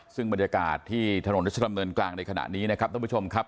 ซึ่งบรรยากาศที่ถนนรัชดำเนินกลางในขณะนี้นะครับท่านผู้ชมครับ